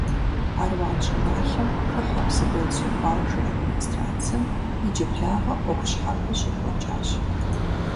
Аруан щӀыналъэм хыхьэ Псыгуэнсу къуажэ администрацэм иджыблагъэ Ӏуэху щхьэпэ щекӀуэкӀащ.